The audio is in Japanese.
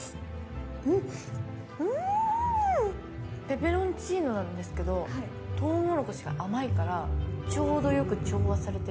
ペペロンチーノなんですけどトウモロコシが甘いからちょうどよく調和されて。